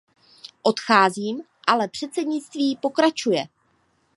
Odcházím, ale předsednictví pokračuje.